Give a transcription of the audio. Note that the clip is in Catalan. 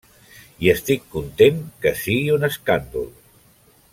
I estic content que sigui un escàndol.